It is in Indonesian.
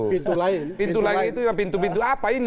pintu pintu lain itu pintu pintu apa ini